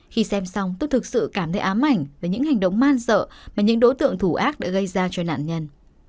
khi xem xong tôi thực sự cảm thấy ám ảnh về những hành động man sợ mà những đối tượng thủ ác đã gây ra cho nạn nhân